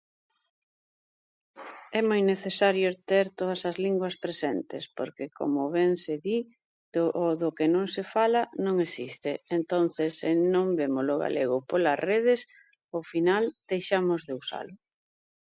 É moi necesario ter todas as linguas presentes porque como ben se di do o do que non se fala, non existe, entonces se non vémolo galego polas redes ao final deixamos de usalo.